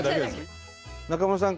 中村さん。